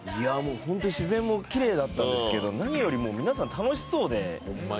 本当に自然もきれいだったんですけど何よりも皆さん楽しそうで。